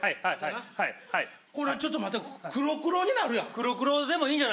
ちょっと待った黒、黒になるやん。